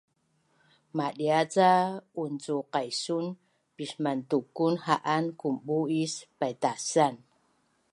Madia’ ca uncuqaisun pismantukun ha’an kumbu’ is paitasan